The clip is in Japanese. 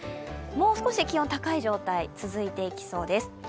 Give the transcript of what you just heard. もう少し気温高い状態、続いていきそうです。